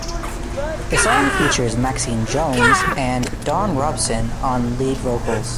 The song features Maxine Jones and Dawn Robinson on lead vocals.